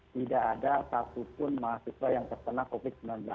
tidak ada satupun mahasiswa yang terkena covid sembilan belas